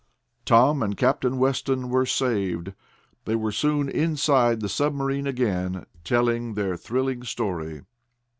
Tom and Captain Weston were saved. They were soon inside the submarine again, telling their thrilling story.